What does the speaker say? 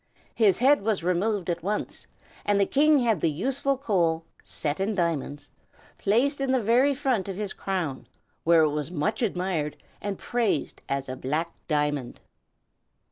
His head was removed at once, and the King had the useful coal, set in sapphires, placed in the very front of his crown, where it was much admired and praised as a BLACK DIAMOND.